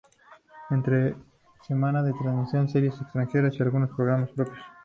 Entre semana se transmiten series extranjeras y algunos programas propios.